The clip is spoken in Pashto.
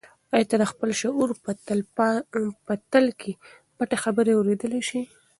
آیا ته د خپل شعور په تل کې پټې خبرې اورېدلی شې؟